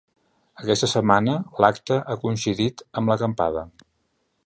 Aquesta setmana, l’acte ha coincidit amb l’acampada.